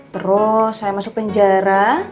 terus saya masuk penjara